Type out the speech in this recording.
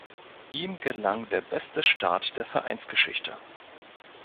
Ihm gelang der beste Start der Vereinsgeschichte.